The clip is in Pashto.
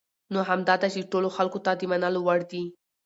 نو همدا ده چې ټولو خلکو ته د منلو وړ دي .